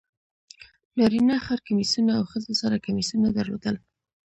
نارینه خر کمیسونه او ښځو سره کمیسونه درلودل.